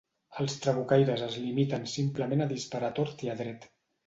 Els trabucaires es limiten simplement a disparar a tort i a dret.